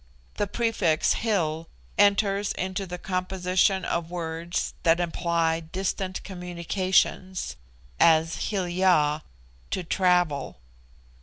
The prefix Hil enters into the composition of words that imply distant communications, as Hil ya, to travel.